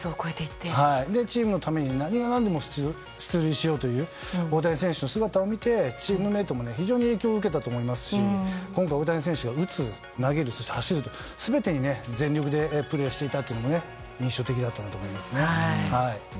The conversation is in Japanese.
チームのために何が何でも出塁しようという大谷選手の姿を見てチームメートも非常に影響を受けたと思いますし今回大谷選手が打つ、投げるそして走る、全てに全力でプレーしていたのも印象的だったんだと思います。